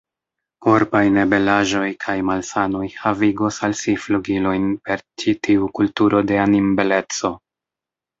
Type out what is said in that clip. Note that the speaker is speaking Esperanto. Korpaj nebelaĵoj kaj malsanoj havigos al si flugilojn per ĉi tiu kulturo de animbeleco.